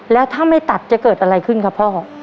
แล้วถ้าไม่ตัดจะเกิดอะไรขึ้นครับพ่อ